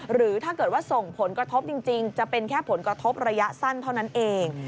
หรือถ้าเกิดว่าส่งผลกระทบจริงจะเป็นแค่ผลกระทบระยะสั้นเท่านั้นเอง